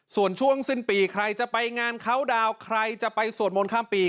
ส่วนช่วงสิ้นปีใครจะไปงานเขาดาวน์ใครจะไปสวดมนต์ข้ามปี